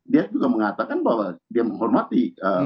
dia juga mengatakan bahwa dia menghormati